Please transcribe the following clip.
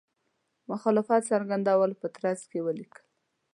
مخالفت څرګندولو په ترڅ کې ولیکل.